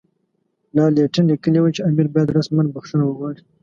لارډ لیټن لیکلي وو چې امیر باید رسماً بخښنه وغواړي.